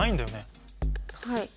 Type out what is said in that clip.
はい。